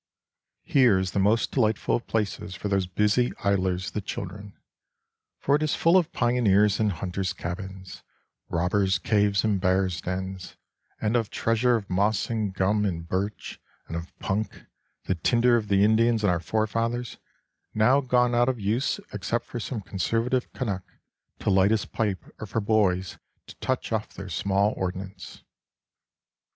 Here is the most delightful of places for those busy idlers the children, for it is full of pioneers' and hunters' cabins, robbers' caves and bears' dens, and of treasures of moss and gum and birch, and of punk, the tinder of the Indians and our forefathers, now gone out of use except for some conservative Canuck to light his pipe or for boys to touch off their small ordnance.